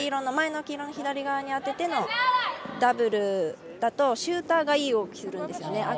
前の黄色の左側に当ててのダブルだとシューターがいい動きするんですよね。